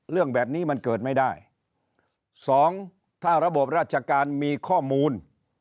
เรื่องแบบนี้มันเกิดไม่ได้สองถ้าระบบราชการมีข้อมูล